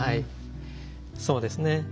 そうですね。